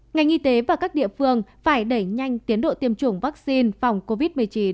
ngành y tế và các địa phương phải đẩy nhanh tiến độ tiêm chủng vaccine phòng covid một mươi chín